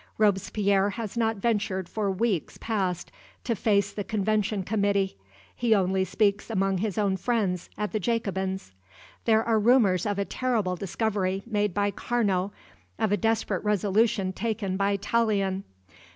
Robespierre has not ventured for weeks past to face the Convention Committee. He only speaks among his own friends at the Jacobins. There are rumors of a terrible discovery made by Carnot, of a desperate resolution taken by Tallien.